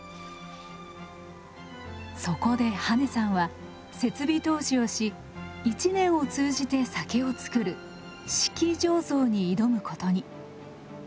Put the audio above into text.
そこで羽根さんは設備投資をし１年を通じて酒を造る「四季醸造」に挑むことに。